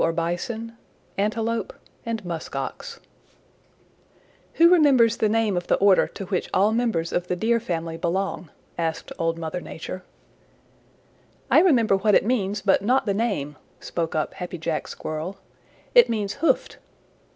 CHAPTER XXXVII Thunderfoot, Fleetfoot and Longcoat "Who remembers the name of the order to which all members of the Deer family belong?" asked Old Mother Nature. "I remember what it means, but not the name," spoke up Happy Jack Squirrel. "It means hoofed."